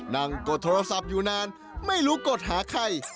กดโทรศัพท์อยู่นานไม่รู้กดหาใคร